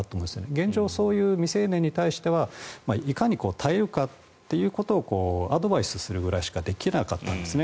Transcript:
現状、そういう未成年に対していかに耐えるかというアドバイスをするくらいしかできなかったんですね。